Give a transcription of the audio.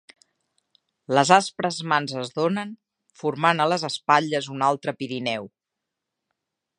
Les aspres mans es donen, formant a les espatlles un altre Pirineu.